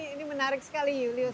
ini menarik sekali julius